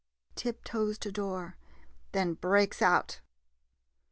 [Tiptoes to door, then breaks out.